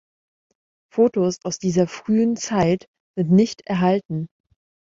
Fotos aus dieser frühen Zeit sind nicht erhalten.